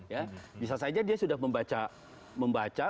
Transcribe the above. ya bisa saja dia sudah membaca